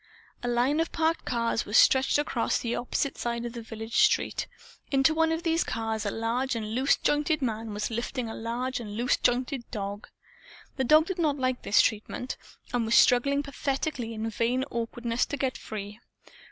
A line of parked cars was stretched across the opposite side of the village street. Into one of these cars a large and loose jointed man was lifting a large and loose jointed dog. The dog did not like his treatment, and was struggling pathetically in vain awkwardness to get free.